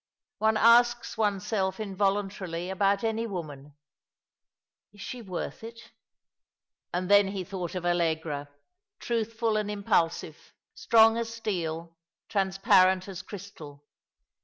One asks one's self involuntarily about any woman — Is she worth it ?" And then he thought of Allegra, truthful and impulsive, strong as steel, transparent as crystal.